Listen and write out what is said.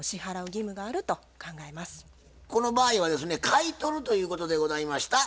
この場合はですね買い取るということでございました。